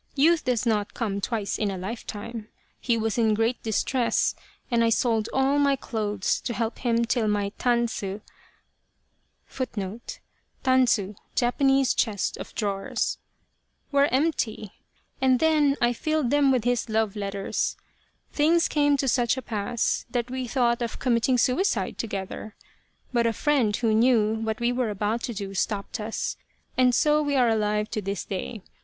Youth does not come twice in a life time. He was in great distress and I sold all my clothes to help him till my tansu t were empty, and then I filled them with his love letters. Things came to such a pass that we thought of committing suicide together. But a friend who knew what we were about to do stopped us, and so we are alive to this day.